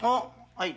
はい。